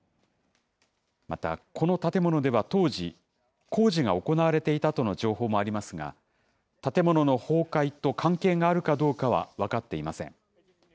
またこの建物では当時、工事が行われていたとの情報もありますが、建物の崩壊と関係があるかどうかは分かっていません。